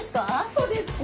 そうです。